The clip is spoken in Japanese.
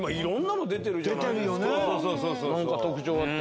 何か特徴あって。